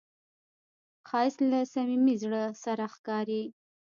ښایست له صمیمي زړه سره ښکاري